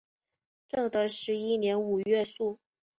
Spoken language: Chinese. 正德十一年五月卒。